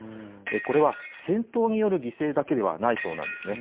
これは、戦闘による犠牲だけではないそうなんですね。